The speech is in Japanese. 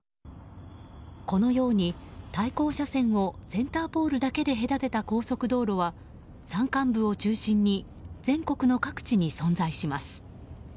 このように、対向車線をセンターポールだけで隔てた高速道路は山間部を中心に全国の各地に存在します。